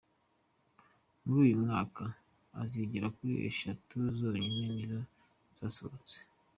Muri uyu mwaka, izigera kuri eshatu zonyine nizo zasohotse.